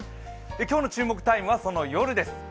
今日の注目タイムはその夜です。